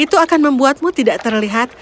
itu akan membuatmu tidak terlihat